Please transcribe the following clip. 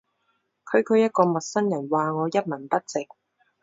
區區一個陌生人話我一文不值